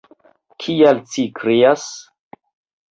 Kial ci krias?